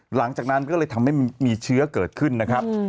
หลังจากนั้นก็เลยทำให้มีเชื้อเกิดขึ้นนะครับ